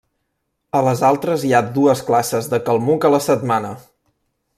A les altres hi ha dues classes de calmuc a la setmana.